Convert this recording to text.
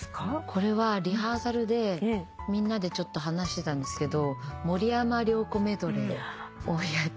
これはリハーサルでみんなで話してたんですけど森山良子メドレーをやってみたい。